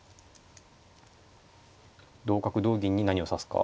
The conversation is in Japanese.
同角同銀に何を指すか。